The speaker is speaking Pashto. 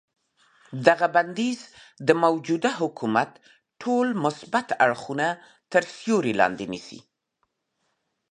دغه بندیز د موجوده حکومت ټول مثبت اړخونه تر سیوري لاندې نیسي.